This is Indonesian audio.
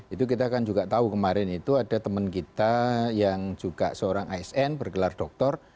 itu kita kan juga tahu kemarin itu ada teman kita yang juga seorang asn bergelar doktor